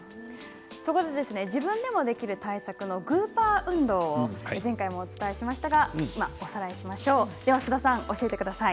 自分でもできる対策のグーパー運動を前回もお伝えしましたがおさらいしましょう。